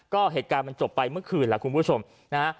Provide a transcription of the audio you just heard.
ก็เหตุการณ์มันจบไปเมื่อคืนล่ะคุณผู้ชมนะฮะ